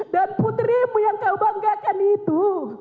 dan putrimu yang kau banggakan itu